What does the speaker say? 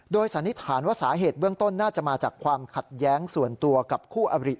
สันนิษฐานว่าสาเหตุเบื้องต้นน่าจะมาจากความขัดแย้งส่วนตัวกับคู่อบริ